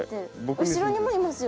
後ろにもいますよ。